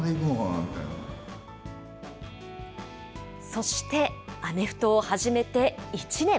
そしてアメフトを始めて１年。